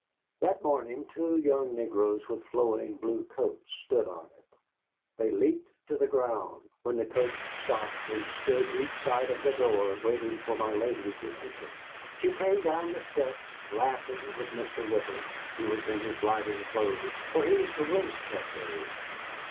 That morning two young negroes with flowing blue coats stood on it. They leaped to the ground when the coach stopped, and stood each side of the door, waiting for my lady to enter. She came down the steps, laughing, with Mr. Riddle, who was in his riding clothes, for he was to race that day.